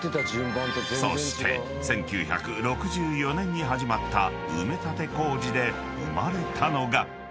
［そして１９６４年に始まった埋め立て工事で生まれたのが］